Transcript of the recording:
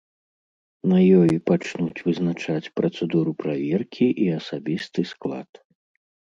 На ёй пачнуць вызначаць працэдуру праверкі і асабісты склад.